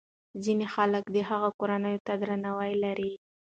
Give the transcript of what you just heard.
ځینې خلک د هغه کورنۍ ته درناوی لري.